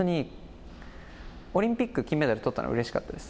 オリンピックで金メダルを取ったのはうれしかったです